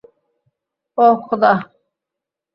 ওহ্, খোদা!